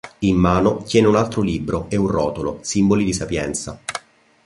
In mano tiene un altro libro e un rotolo, simboli di sapienza.